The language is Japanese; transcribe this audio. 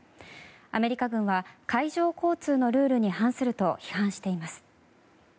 アメリカ軍は海上交通のルールに反すると批判しています。